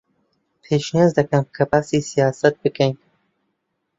پێشنیار دەکەم کە باسی سیاسەت بکەین.